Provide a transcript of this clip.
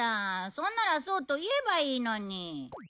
それならそうと言えばいいのに。